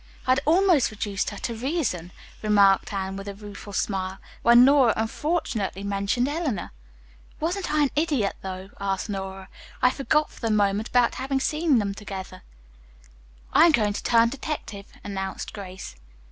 "I had almost reduced her to reason," remarked Anne, with a rueful smile, "when Nora unfortunately mentioned Eleanor." "Wasn't I an idiot, though?" asked Nora. "I forgot for the moment about having seen them together." "I am going to turn detective," announced Grace.